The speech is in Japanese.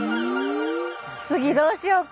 次どうしようか。